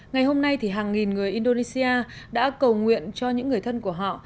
ngày hôm nay hàng nghìn người indonesia đã cầu nguyện cho những người thân của họ